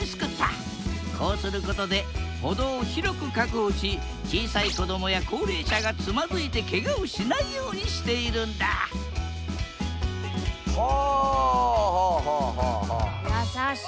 こうすることで歩道を広く確保し小さい子どもや高齢者がつまずいてケガをしないようにしているんだはあはあはあ。